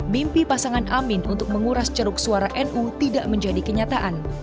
mimpi pasangan amin untuk menguras ceruk suara nu tidak menjadi kenyataan